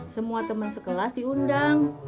semua temen sekelas diundang